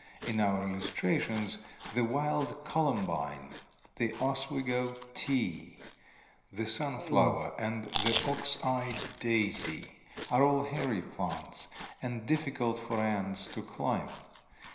In our illustrations, the wild columbine, the Oswego tea, the sunflower, and the ox eye daisy are all hairy plants, and difficult for ants to climb.